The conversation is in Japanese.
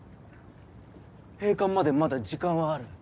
閉館までまだ時間はある。